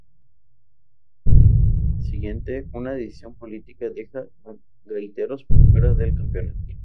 En la temporada siguiente, una decisión política deja a Gaiteros por fuera del campeonato.